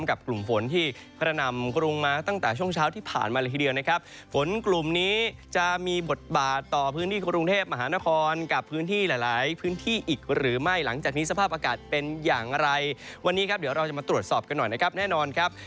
กลุ่มนี้จะมีบทบาต์ต่อพื้นที่ก็ลงเทพอธิบอาหารพื้นที่หลายหลายพื้นที่หรือไม่หลังจากนี้สภาพอากาศเป็นอย่างไรวันนี้ครับเราจะมาตรวจสอบกันหน่อยนะครับแน่นอนครับ